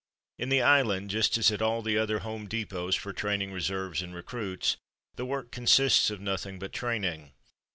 In the island, just as at all the other home depots for training reserves and recruits, the work consists of nothing but training.